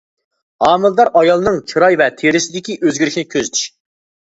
ھامىلىدار ئايالنىڭ چىراي ۋە تېرىسىدىكى ئۆزگىرىشنى كۆزىتىش.